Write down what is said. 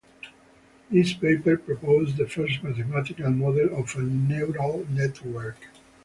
This paper proposed the first mathematical model of a neural network.